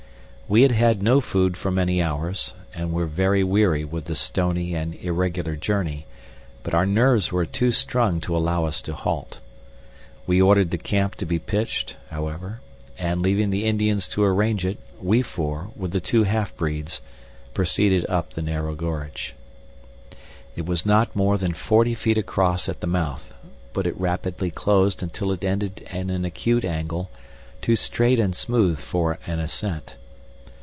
We had had no food for many hours, and were very weary with the stony and irregular journey, but our nerves were too strung to allow us to halt. We ordered the camp to be pitched, however, and, leaving the Indians to arrange it, we four, with the two half breeds, proceeded up the narrow gorge. It was not more than forty feet across at the mouth, but it rapidly closed until it ended in an acute angle, too straight and smooth for an ascent.